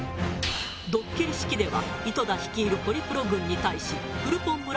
ドッキリ式では井戸田率いるホリプロ軍に対しフルポン村